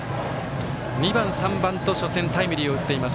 ２番、３番と初戦タイムリーを打っています